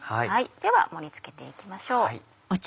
では盛り付けて行きましょう。